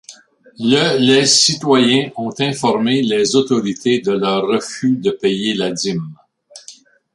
Le les citoyens ont informé les autorités de leur refus de payer la dîme.